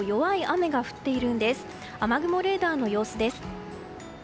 雨雲レーダーの様子です。